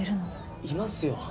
いますよ！